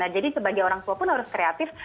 jadi sebagai orang tua pun harus kreatif